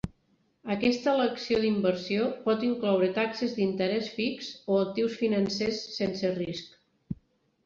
Aquesta elecció d'inversió pot incloure taxes d'interès fix o actius financers sense risc.